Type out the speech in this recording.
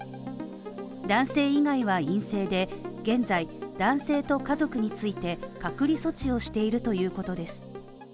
男性以外は陰性で、現在、男性と家族について隔離措置をしているということです。